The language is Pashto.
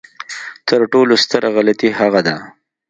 تر ټولو ستره غلطي هغه ده.